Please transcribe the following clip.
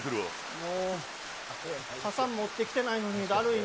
もう、傘持ってきてないのに、だるいな。